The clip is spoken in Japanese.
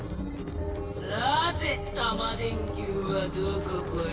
さてタマ電Ｑはどこぽよ？